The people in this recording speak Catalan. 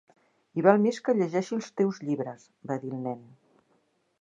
"I val més que llegeixi els teus llibres", va dir el nen.